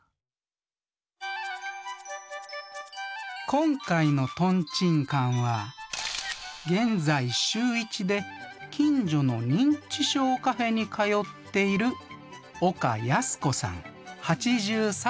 今回のトンチンカンは現在週１で近所の認知症カフェに通っている岡ヤスコさん８３歳。